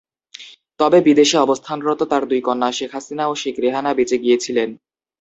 তবে বিদেশে অবস্থানরত তার দুই কন্যা শেখ হাসিনা ও শেখ রেহানা বেঁচে গিয়েছিলেন।